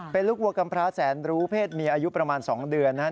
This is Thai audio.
เป็นลูกวัวกำพร้าแสนรู้เพศเมียอายุประมาณ๒เดือนนะครับ